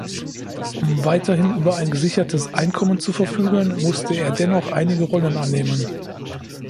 Um weiterhin über ein gesichertes Einkommen zu verfügen, musste er dennoch einige Rollen annehmen.